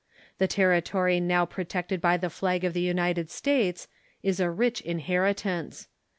The territory now protected by the flag of the United States is a rich inlieritance.